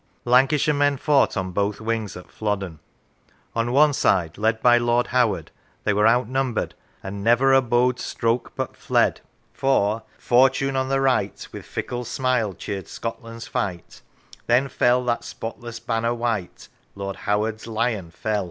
Lancashire men fought on both wings at Flodden. On one side, led by Lord Howard, they were outnumbered and " never abode stroke but fled ": for Fortune, on the right, With fickle smile cheer'd Scotland's fight; Then fell that spotless banner white, Lord Howard's lion fell.